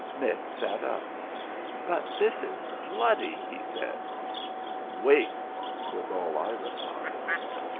Mick sat up. "But this is bloody!" he said. "Wait," was all I replied.